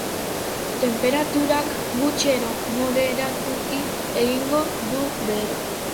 Tenperaturak gutxi edo moderatuki egingo du behera.